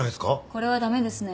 これは駄目ですね。